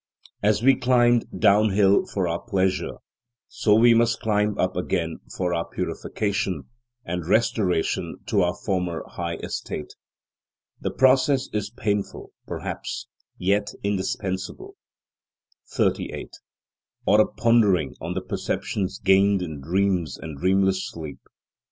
As we climbed down hill for our pleasure, so must we climb up again for our purification and restoration to our former high estate. The process is painful, perhaps, yet indispensable. 38. Or a pondering on the perceptions gained in dreams and dreamless sleep.